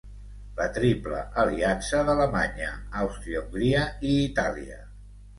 La triple aliança d'Alemanya, Àustria-Hongria i Itàlia.